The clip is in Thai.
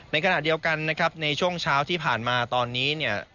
ในขณะเดียวกันนะครับในช่วงเช้าที่ผ่านมาตอนนี้เนี่ย